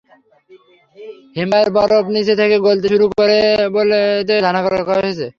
হিমবাহের বরফ নিচে থেকে গলতে শুরু করেছে বলে তাঁরা ধারণা করছেন।